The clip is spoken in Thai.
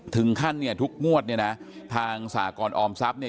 ถึงขั้นทุกงวดทางสากรออมทรัพย์